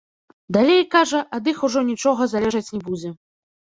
Далей, кажа, ад іх ужо нічога залежаць не будзе.